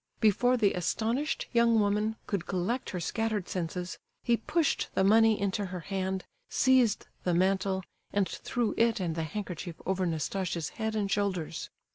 Before the astonished young woman could collect her scattered senses, he pushed the money into her hand, seized the mantle, and threw it and the handkerchief over Nastasia's head and shoulders.